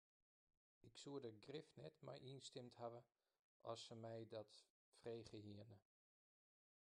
Ik soe der grif net mei ynstimd hawwe as se my dat frege hiene.